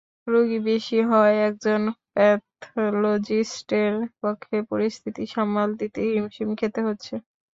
রোগী বেশি হওয়ায় একজন প্যাথলজিস্টের পক্ষে পরিস্থিতি সামাল দিতে হিমশিম খেতে হচ্ছে।